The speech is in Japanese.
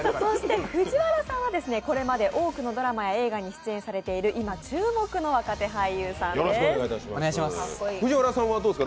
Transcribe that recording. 藤原さんはこれまで多くのドラマや映画に出演されている今、注目の若手俳優さんです。